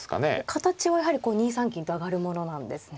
形はやはり２三金と上がるものなんですね。